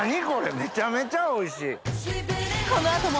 めちゃめちゃおいしい。